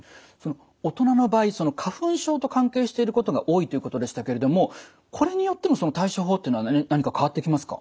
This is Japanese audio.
大人の場合花粉症と関係していることが多いということでしたけれどもこれによっても対処法っていうのは何か変わってきますか？